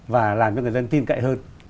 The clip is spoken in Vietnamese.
và làm cho người dân tin cậy hơn